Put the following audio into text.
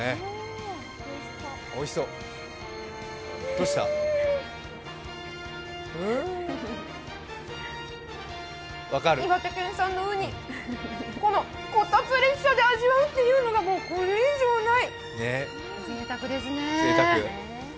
うん、岩手県産うにこたつ列車で味わうというのがもうこれ以上ないぜいたくですね。